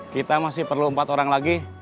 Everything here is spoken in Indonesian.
kita masih perlu empat orang lagi